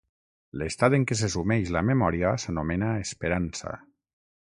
L'estat en què se sumeix la memòria s'anomena esperança.